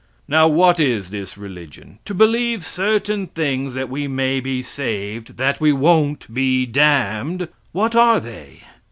Now, what is this religion? To believe certain things that we may be saved, that we won't be damned. What are they?